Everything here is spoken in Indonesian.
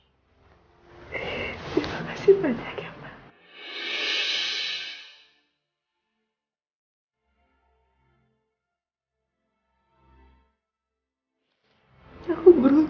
terima kasih banyak ya mbak